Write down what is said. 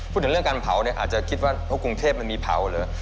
พูดถึงเรื่องการเผาเนี่ยอาจจะคิดว่าเพราะกรุงเทพมันมีเผาเหรอ